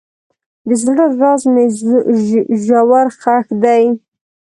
د زړه راز مې ژور ښخ دی.